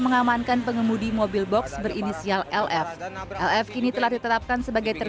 mengamankan pengemudi mobil box berinisial lf lf kini telah ditetapkan sebagai